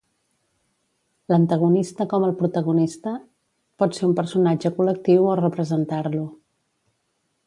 L'antagonista, com el protagonista, pot ser un personatge col·lectiu o representar-lo.